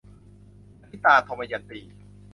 อตีตา - ทมยันตี